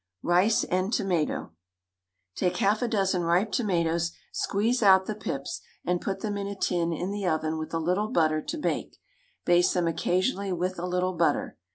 RICE AND TOMATO. Take half a dozen ripe tomatoes, squeeze out the pips, and put them in a tin in the oven with a little butter to bake; baste them occasionally with a little butter.